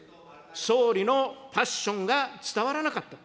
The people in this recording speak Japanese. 総理のパッションが伝わらなかった。